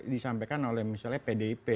disampaikan oleh misalnya pdip